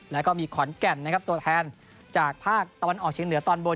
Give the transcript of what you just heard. แล้วก็มีขอนแก่นนะครับตัวแทนจากภาคตะวันออกเชียงเหนือตอนบน